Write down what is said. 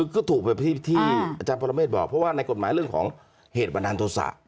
ก็ถูกแบบที่อาจารย์ปรเมฆบอกเพราะว่าในกฎหมายเรื่องของเหตุบันดาลโทษะ